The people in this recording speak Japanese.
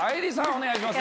お願いします。